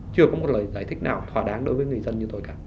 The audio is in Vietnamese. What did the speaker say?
chưa có một lời giải thích nào thỏa đáng đối với người dân